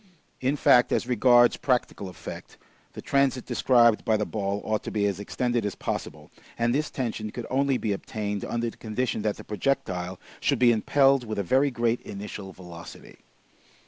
In fact, as regards practical effect, the transit described by the ball ought to be as extended as possible, and this tension could only be obtained under the condition that the projectile should be impelled with a very great initial velocity.